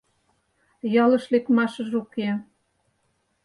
Ялыш лекмашыже уке.